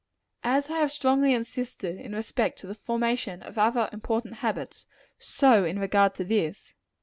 As I have strongly insisted in respect to the formation of other important habits, so in regard to this.